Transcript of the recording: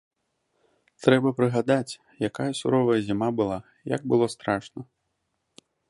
Трэба прыгадаць, якая суровая зіма была, як было страшна.